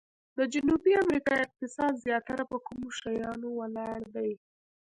د جنوبي امریکا اقتصاد زیاتره په کومو شیانو ولاړ دی؟